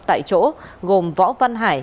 tại chỗ gồm võ văn hải